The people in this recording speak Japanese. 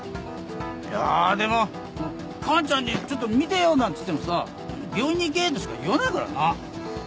いやでもカンちゃんにちょっと診てよなんつってもさ「病院に行け」としか言わないからな。